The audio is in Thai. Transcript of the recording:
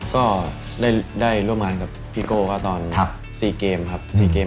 ก็ได้ร่วมร้านด้วยพี่โกเขากับตอน๔เกม